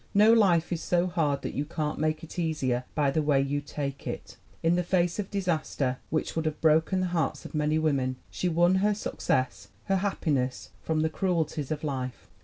No life is so hard that y6u can't make it easier by the way you take it." In the face of disaster which would have broken the hearts of many women, she won her success, her happiness, from the cruelties of life.